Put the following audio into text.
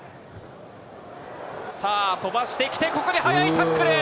さあ、とばしてきて、ここで速いタックル。